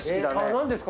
何ですか？